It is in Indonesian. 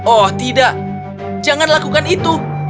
oh tidak jangan lakukan itu